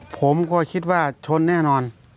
ผมก็คิดว่าชนแน่นอน